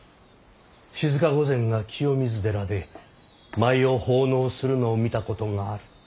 静御前が清水寺で舞を奉納するのを見たことがある。